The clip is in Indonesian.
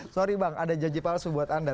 sorry bang ada janji palsu buat anda